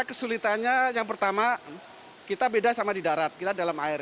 kesulitannya yang pertama kita beda sama di darat kita dalam air